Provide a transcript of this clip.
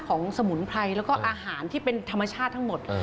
สมุนไพรแล้วก็อาหารที่เป็นธรรมชาติทั้งหมด